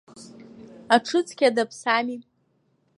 Аҽыцқьа даԥсами!